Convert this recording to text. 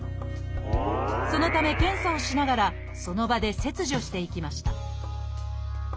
そのため検査をしながらその場で切除していきました